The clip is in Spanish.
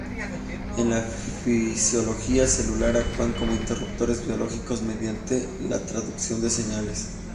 En la fisiología celular actúan como interruptores biológicos mediante la transducción de señales.